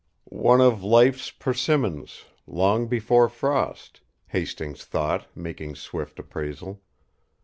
"One of life's persimmons long before frost!" Hastings thought, making swift appraisal.